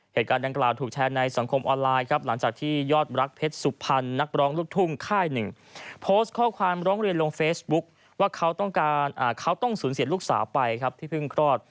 เหตุการณ์ดังกล่าวถูกแชร์ในสังคมออนไลน์ครับหลังจากที่ยอดรักเพชรสุพรรณนักร้องลูกทุ่งค่ายหนึ่งโพสต์ข้อความร้องเรียนลงเฟซบุ๊คว่าเขาต้องการเขาต้องสูญเสียลูกสาวไปครับที่เพิ่งคลอด